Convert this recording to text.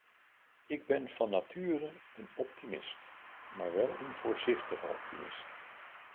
Ik ben van nature een optimist, maar wel een voorzichtige optimist.